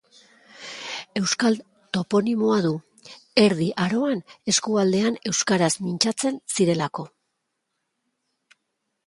Euskal toponimoa du, Erdi Aroan eskualdean euskaraz mintzatzen zirelako.